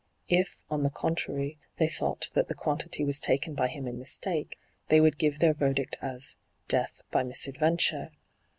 If, on the contrary, they thought that the quantity was taken by him in mistake, they would give their verdict as ' Death by misadventure.'